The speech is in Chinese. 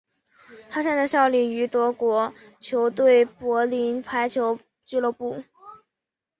他现在效力于德国球队柏林排球俱乐部。